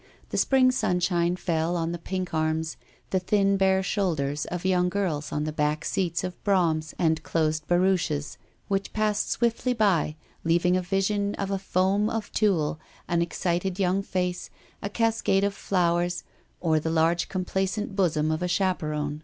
The spring sunshine fell on the pink arms, the thin bare shoulders of young girls on the back seats of broughams and closed barouches, which passed swiftly by, leaving a vision of a foam of tulle, an excited young face, a cascade of flowers, or the large complacent bosom of a chaperon.